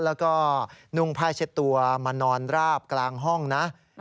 แล้วก็นุ่งผ้าเช็ดตัวมานอนราบกลางห้องนะ